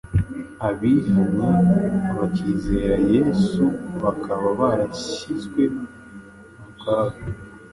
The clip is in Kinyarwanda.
abihanye bakizera Yesu baba barashyizwe mu kaga.